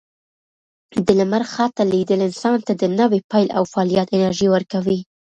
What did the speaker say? د لمر خاته لیدل انسان ته د نوي پیل او فعالیت انرژي ورکوي.